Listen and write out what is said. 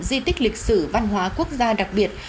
di tích lịch sử văn hóa quốc gia đặc biệt